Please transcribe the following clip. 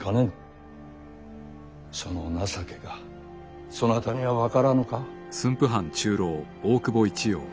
その情けがそなたには分からぬか？